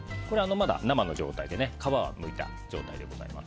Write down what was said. まだ生の状態で皮をむいた状態でございます。